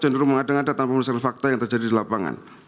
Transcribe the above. jenderal mengadeng ada tanpa merasakan fakta yang terjadi di lapangan